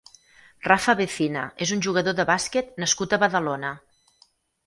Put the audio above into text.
Rafa Vecina és un jugador de bàsquet nascut a Badalona.